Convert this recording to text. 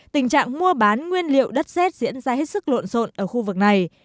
tình trạng mua bán nguyên liệu đất xét diễn ra hết sức lộn rộn ở khu vực này